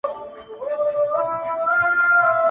د قدرت پر دښمنانو کړي مور بوره؛